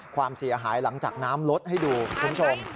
ความเสียหายหลังจากน้ำลดให้ดูคุณผู้ชม